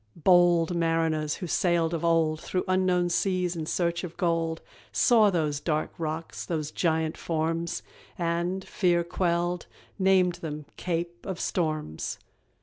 Bold mariners who sailed of old Through unknown seas in search of gold, Saw those dark rocks, those giant forms, And, fear quelled, named them "Cape of Storms."